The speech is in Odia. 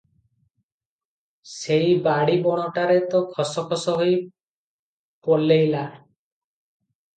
ସେଇ ବାଡ଼ି ବଣଟାରେ ତ ଖସ ଖସ ହୋଇ ପଲେଇଲା ।